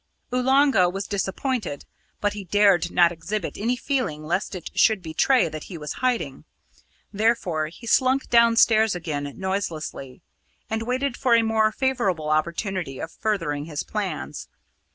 Oolanga was disappointed, but he dared not exhibit any feeling lest it should betray that he was hiding. Therefore he slunk downstairs again noiselessly, and waited for a more favourable opportunity of furthering his plans.